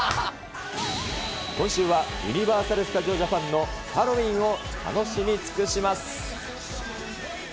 今週はユニバーサル・スタジオ・ジャパンのハロウィーンを楽しみつくします。